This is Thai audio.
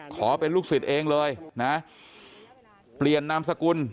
ขอเป็นลูกศิษย์เองเลยนะเปลี่ยนนามสกุล